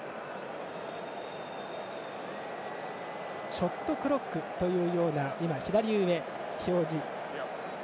ショットクロックというような左上の表示。